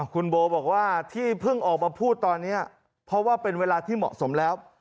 คุณโบบอกว่าที่เพิ่งออกมาพูดตอนนี้เพราะว่าเป็นเวลาที่เหมาะสมแล้ว